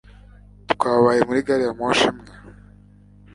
Twabaye muri gari ya moshi imwe